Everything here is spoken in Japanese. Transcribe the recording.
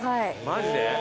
マジで？